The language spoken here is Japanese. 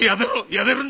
やめるんだ！